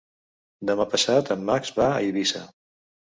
Demà passat en Max va a Eivissa.